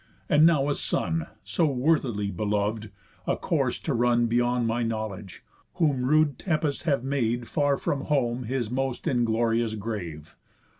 And now a son, So worthily belov'd, a course to run Beyond my knowledge; whom rude tempests have Made far from home his most inglorious grave!